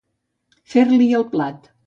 Fer-li el plat.